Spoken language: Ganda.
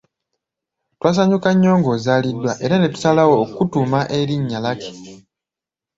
Twasanyuka nnyo nga ozaaliddwa era ne tusalawo okukutuuma erinnya Lucky.